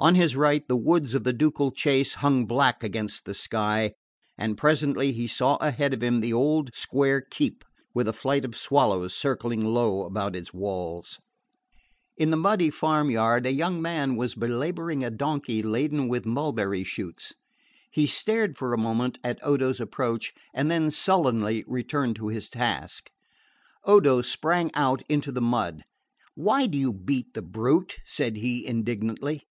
On his right the woods of the ducal chase hung black against the sky; and presently he saw ahead of him the old square keep, with a flight of swallows circling low about its walls. In the muddy farm yard a young man was belabouring a donkey laden with mulberry shoots. He stared for a moment at Odo's approach and then sullenly returned to his task. Odo sprang out into the mud. "Why do you beat the brute?" said he indignantly.